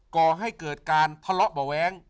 ก่อให้เกิดการทะเลาะเบาะแว้ง